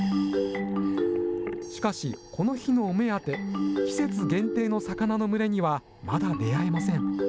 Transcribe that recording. しかし、この日のお目当て、季節限定の魚の群れにはまだ出会えません。